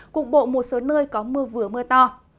cục bộ một số nơi có mưa vừa mưa to